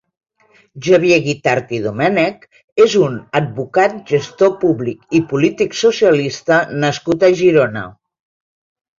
Xavier Guitart i Domènech és un advocat, gestor públic i polític socialista nascut a Girona.